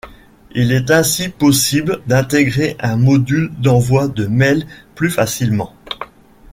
Il est ainsi possible d’intégrer un module d’envoi de mails plus facilement.